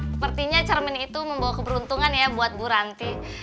sepertinya cermin itu membawa keberuntungan ya buat bu ranti